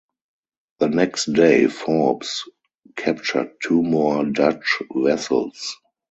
The next day "Forbes" captured two more Dutch vessels.